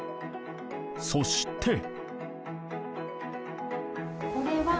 そして。